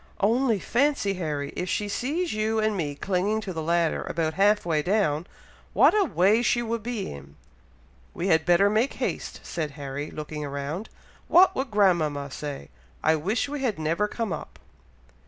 "Only fancy, Harry, if she sees you and me clinging to the ladder, about half way down! what a way she would be in!" "We had better make haste," said Harry, looking around. "What would grandmama say! I wish we had never come up!"